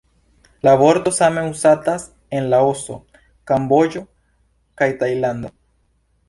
La vorto same uzatas en Laoso, Kamboĝo kaj Tajlando.